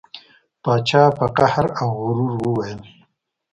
پاچا په قهر او غرور وویل.